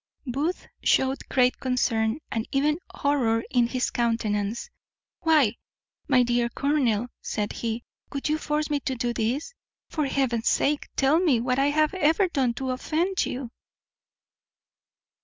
Booth shewed great concern, and even horror in his countenance. "Why, my dear colonel," said he, "would you force me to this? for Heaven's sake tell me what I have ever done to offend you."